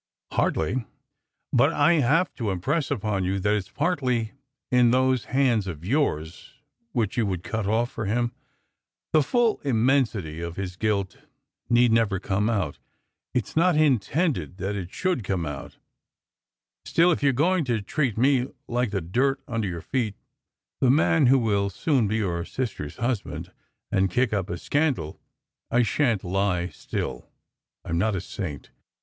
"Hardly. But I have to impress upon you that it s partly in those hands of yours, which you would * cut off for him. The full immensity of his guilt need never come out. It s not intended that it should come out. Still, SECRET HISTORY 157 if you are going to treat me like the dirt under your feet the man who will soon be your sister s husband and kick up a scandal, I shan t lie still. I m not a saint.